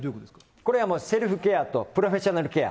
これはもう、セルフケアとプロフェッショナルケア。